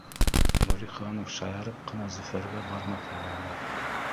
Нуриханов шаярып ҡына Зөфәргә бармаҡ янаны